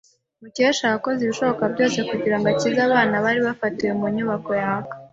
Mukesha yakoze ibishoboka byose kugirango akize abana bari bafatiwe mu nyubako yaka.